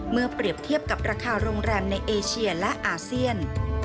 เปรียบเทียบกับราคาโรงแรมในเอเชียและอาเซียน